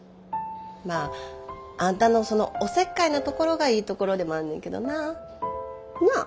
まああんたのそのおせっかいなところがいいところでもあんねんけどな。なあ？